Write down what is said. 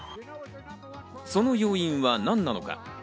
その要因は何なのか。